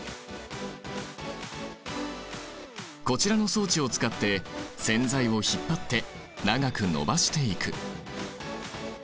こちらの装置を使って線材を引っ張って長く延ばしていく。